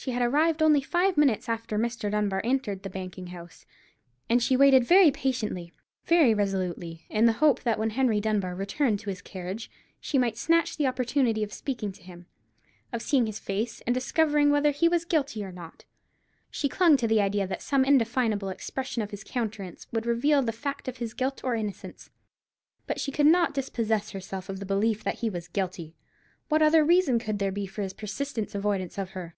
She had arrived only five minutes after Mr. Dunbar entered the banking house, and she waited very patiently, very resolutely, in the hope that when Henry Dunbar returned to his carriage she might snatch the opportunity of speaking to him, of seeing his face, and discovering whether he was guilty or not. She clung to the idea that some indefinable expression of his countenance would reveal the fact of his guilt or innocence. But she could not dispossess herself of the belief that he was guilty. What other reason could there be for his persistent avoidance of her?